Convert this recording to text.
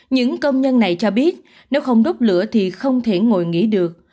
những công nhân này cho biết nếu không đốt lửa thì không thể ngồi nghỉ được